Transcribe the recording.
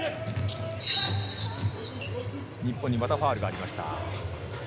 日本にまたファウルがありました。